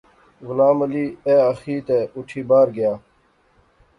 غلام علی ایہہ آخی تہ اٹھی باہر گیا